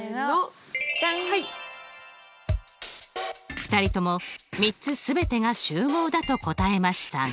２人とも３つ全てが集合だと答えましたが。